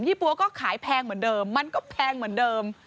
ปั๊วก็ขายแพงเหมือนเดิมมันก็แพงเหมือนเดิม